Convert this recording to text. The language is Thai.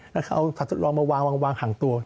แล้วเขาเอาถัดทดลองมาวางห่างตัว